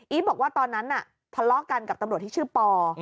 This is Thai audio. บอกว่าตอนนั้นน่ะทะเลาะกันกับตำรวจที่ชื่อปอ